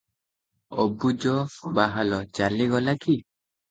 ଅବୁଜବାହାଲ ଚାଲିଗଲା କି?